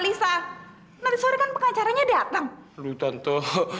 lisa nanti sore kan pengacaranya datang lu tante